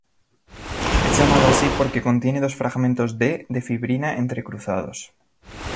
Es llamado así porque contiene dos fragmentos D de fibrina entrecruzados.